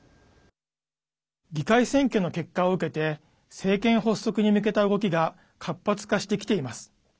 議会選挙の結果を受けて政権発足に向けた動きが活発化してきています。